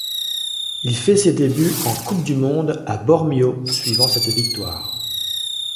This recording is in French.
Il fait ses débuts en Coupe du monde à Bormio suivant cette victoire.